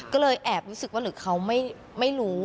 ก็เลยแอบรู้สึกว่าหรือเขาไม่รู้